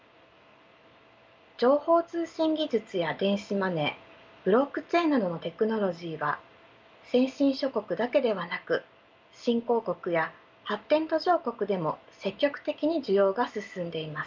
情報通信技術や電子マネーブロックチェーンなどのテクノロジーは先進諸国だけではなく新興国や発展途上国でも積極的に需要が進んでいます。